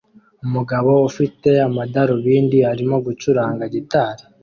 Umugabo ufite amadarubindi arimo gucuranga gitari